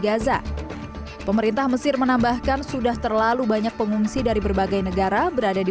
gaza pemerintah mesir menambahkan sudah terlalu banyak pengungsi dari berbagai negara berada di